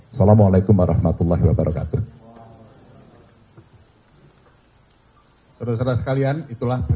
assalamu alaikum warahmatullahi wabarakatuh